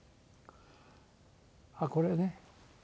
あっこれね。